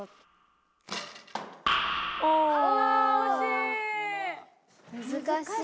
あおしい。